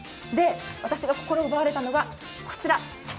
で、私が心を奪われたのがこちら。